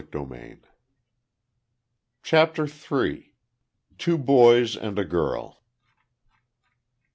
CHAPTER THREE. TWO BOYS AND A GIRL.